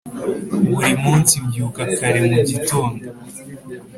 buri munsi mbyuka kare mu gitondo